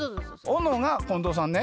おのが近藤さんね。